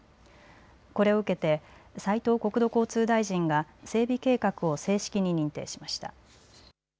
これを受けて斉藤国土交通大臣が整備計画を正式に認定しました。